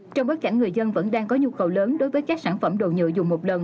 trong bối cảnh người dân vẫn đang có nhu cầu lớn đối với các sản phẩm đồ nhựa dùng một lần